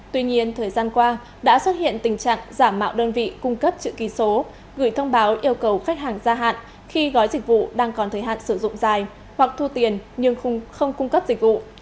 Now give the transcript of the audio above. tuy nhiên thời gian qua đã xuất hiện tình trạng giả mạo đơn vị cung cấp chữ ký số gửi thông báo yêu cầu khách hàng ra hạn khi gói dịch vụ đang còn thời hạn sử dụng dài hoặc thu tiền nhưng không cung cấp dịch vụ